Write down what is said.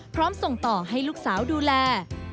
พร้อมส่งต่อให้ลูกสาวดูแล